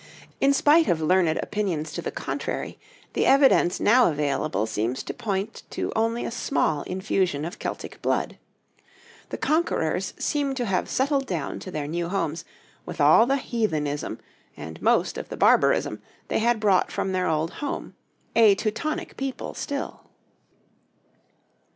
In spite of learned opinions to the contrary, the evidence now available seems to point to only a small infusion of Celtic blood. The conquerors seem to have settled down to their new homes with all the heathenism and most of the barbarism they had brought from their old home, a Teutonic people still.